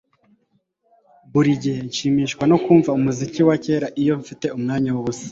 Buri gihe nshimishwa no kumva umuziki wa kera iyo mfite umwanya wubusa